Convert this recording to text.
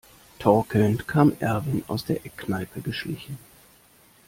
Torkelnd kam Erwin aus der Eckkneipe geschlichen.